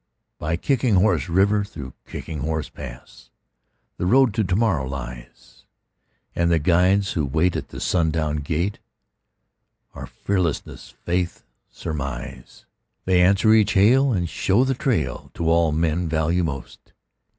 By Kicking Horse River, through Kicking Horse Pass, The Road to Tomorrow lies; And the guides who wait at the sundown gate Are Fearlessness, Faith, Surmise. They answer each hail and show the trail To all men value most.